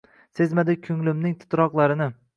Sezmadi ko’nglimning titroqlarini.